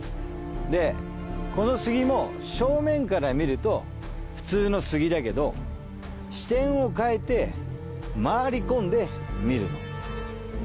でこの杉も正面から見ると普通の杉だけど視点を変えて回り込んで見るの。